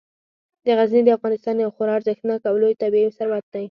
غزني د افغانستان یو خورا ارزښتناک او لوی طبعي ثروت دی.